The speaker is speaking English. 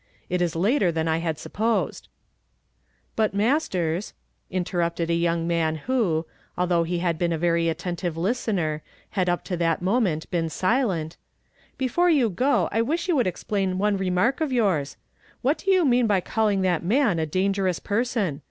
It is later than I had supposed." " But, Masters," iniorrupted a young man ^^ ho, although he had been a very attentive listenei, had uj^ to that moment been silent, '' before you go I wish you would expLiiu one remar.; of youi«. What do you mean by calling that i . i a dan gerous person?